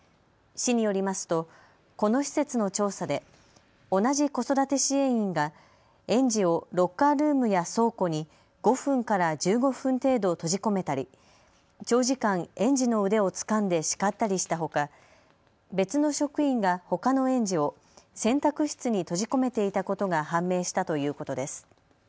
市によりますとこの施設の調査で同じ子育て支援員が園児をロッカールームや倉庫に５分から１５分程度、閉じ込めたり、長時間、園児の腕をつかんで叱ったりしたほか別の職員がほかの園児を洗濯室に閉じ込めていたことが判明したということです。